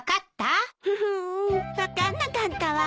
ん分かんなかったわ。